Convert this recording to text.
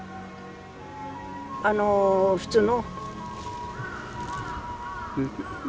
あの普通の。